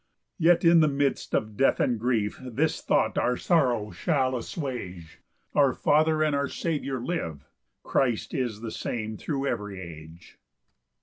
3 Yet in the midst of death and grief This thought our sorrow shall assuage, "Our Father and our Saviour live; "Christ is the same thro' every age."